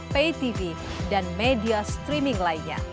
paytv dan media streaming lainnya